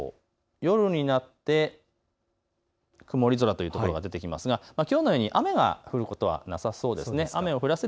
夜になって曇り空というところが出てきますがきょうのように雨が降ることはなさそうですね。